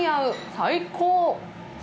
最高！